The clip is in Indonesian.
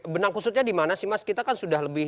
benang kusutnya di mana sih mas kita kan sudah lebih